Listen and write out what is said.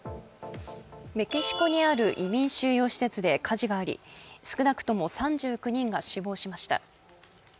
メキシコにある移民収容施設で火事があり少なくとも３９人が死亡しました。